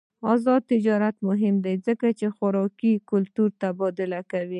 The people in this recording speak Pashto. آزاد تجارت مهم دی ځکه چې خوراکي کلتور تبادله کوي.